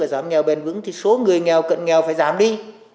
giảm nghèo bền vững thì số người nghèo cận nghèo phải giảm đi